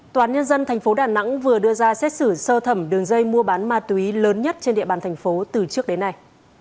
toán nhân dân thành phố đà nẵng vừa đưa ra xét xử sơ thẩm đường dây mua bán ma túy lớn nhất trên địa bàn thành phố từ trước đến nay